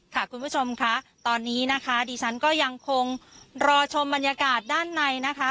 คุณผู้ชมค่ะตอนนี้นะคะดิฉันก็ยังคงรอชมบรรยากาศด้านในนะคะ